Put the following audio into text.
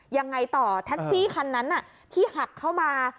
ยังไงต่อแท็กซี่คันนั้นที่หักเข้ามา